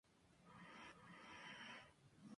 El tímpano no posee decoración alguna.